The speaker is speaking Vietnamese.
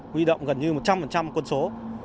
huy động gần như một trăm linh quân số